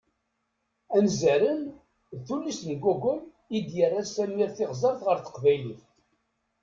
"Anzaren", d tullist n Gogol i d-yerra Samir Tiɣzert ɣer teqbaylit.